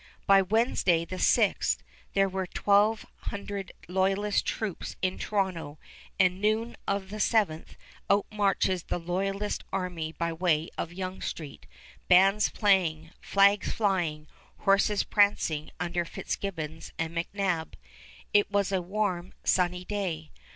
By Wednesday, the 6th, there were twelve hundred loyalist troops in Toronto; and noon of the 7th, out marches the loyalist army by way of Yonge Street, bands playing, flags flying, horses prancing under Fitzgibbons and McNab. It was a warm, sunny day.